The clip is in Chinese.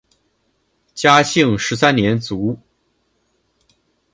嘉庆十三年卒。